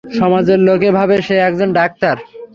সমাজের লোকে ভাবে সে একজন ডাক্তার।